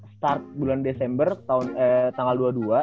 kalau lu start bulan desember tanggal dua puluh dua